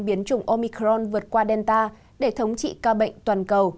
biến chủng omicron vượt qua delta để thống trị ca bệnh toàn cầu